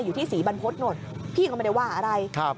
อยู่ที่ศรีบรรพฤษโน่นพี่ก็ไม่ได้ว่าอะไร